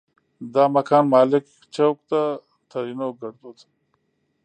دا مکان مالک چوک ده؛ ترينو ګړدود